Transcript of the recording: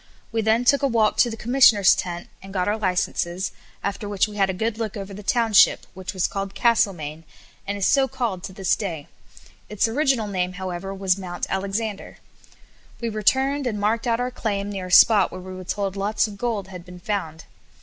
We then took a walk to the Commissioner's tent, and got our licences, after which we had a good look over the township, which was called Castlemaine, and is so called to this day. Its original name, however, was Mount Alexander. We returned, and marked out our claim near a spot where we were told lots of gold had been found.